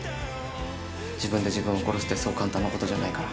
自分で自分を殺すってそう簡単なことじゃないから。